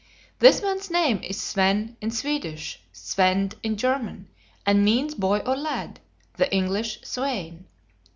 This man's name is Sven in Swedish, Svend in German, and means boy or lad, the English "swain."